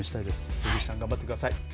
樋口さん頑張ってください。